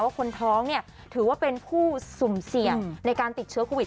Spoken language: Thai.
คนท้องถือว่าเป็นผู้สุ่มเสี่ยงในการติดเชื้อโควิด